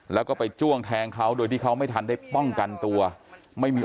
แล้วก็ไปจ้วงแทงเขาโดยที่เขาไม่ทันได้ป้องกันตัวไม่มี